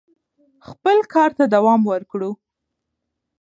خپل کار ته دوام ورکړو.